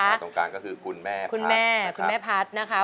ในช่วงกลางก็คือคุณแม่พัสนะคะ